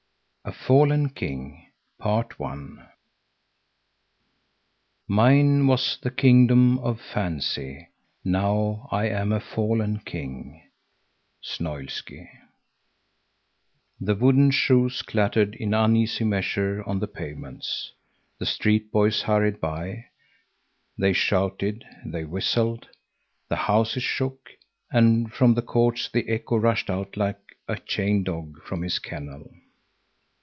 A FALLEN KING Mine was the kingdom of fancy, now I am a fallen king. SNOILSKY. The wooden shoes clattered in uneasy measure on the pavements. The street boys hurried by. They shouted, they whistled. The houses shook, and from the courts the echo rushed out like a chained dog from his kennel.